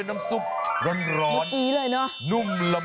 เป็นการสะลายเนื้อบางราดด้วยน้ำซุปร้อน